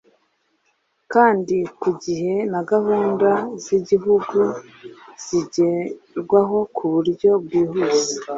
kandi ku gihe na gahunda z'igihugu zigerwaho ku buryo bwihuse